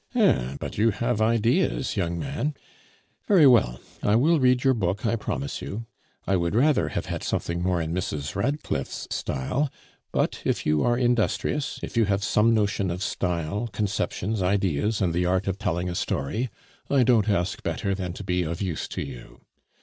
"Eh! but you have ideas, young man. Very well, I will read your book, I promise you. I would rather have had something more in Mrs. Radcliffe's style; but if you are industrious, if you have some notion of style, conceptions, ideas, and the art of telling a story, I don't ask better than to be of use to you.